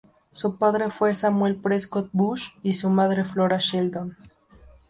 Su padre fue Samuel Prescott Bush y su madre Flora Sheldon.